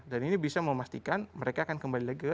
dan ini bisa memastikan mereka akan kembali lagi ke rumah